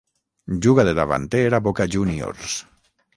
Juga de davanter a Boca Juniors.